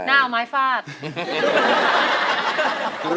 หน้าเอาไม้ฟาด